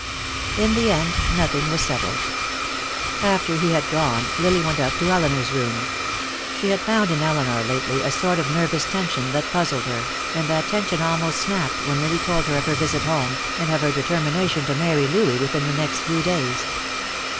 In the end, nothing was settled. After he had gone Lily, went up to Elinor's room. She had found in Elinor lately a sort of nervous tension that puzzled her, and that tension almost snapped when Lily told her of her visit home, and of her determination to marry Louis within the next few days.